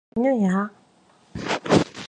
칼 내려놔.